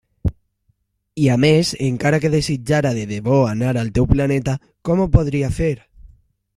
I a més, encara que desitjara de debò anar al teu planeta, com ho podria fer?